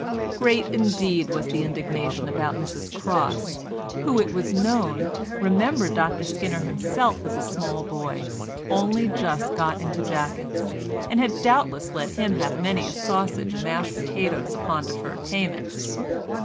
Great indeed was the indignation about Mrs Cross who, it was known, remembered Dr Skinner himself as a small boy only just got into jackets, and had doubtless let him have many a sausage and mashed potatoes upon deferred payment.